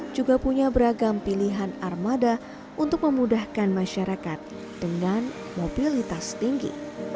juga punya beragam pilihan armada untuk memudahkan masyarakat dengan mobilitas tinggi